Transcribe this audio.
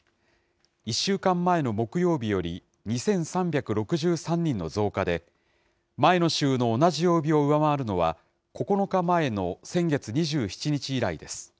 １週間前の木曜日より２３６３人の増加で、前の週の同じ曜日を上回るのは９日前の先月２７日以来です。